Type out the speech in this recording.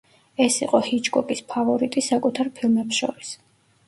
ეს იყო ჰიჩკოკის ფავორიტი საკუთარ ფილმებს შორის.